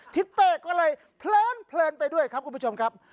ทิศเป้ก็เลยเพลินไปด้วยครับคุณผู้ชมครับ